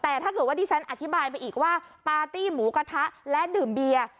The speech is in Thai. แต่ถ้าเกิดว่าที่ฉันอธิบายไปอีกว่าปาร์ตี้หมูกระทะและดื่มเบียร์